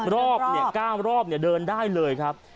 รอบเนี่ย๙รอบเนี่ยเดินได้เลยครับ